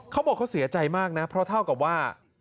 เขาบอกเขาเสียใจมากนะเพราะเท่ากับว่า